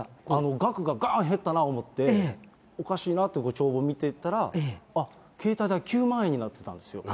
額ががーん減ったなと思って、おかしいなと帳簿見ていったら、あっ、携帯代９万円になってたんですよ。